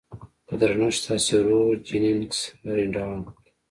په درنښت ستاسې ورور جيننګز رينډالف.